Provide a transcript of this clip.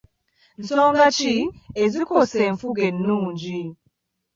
Nsonga ki ezikosa enfuga ennungi?